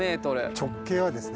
直径はですね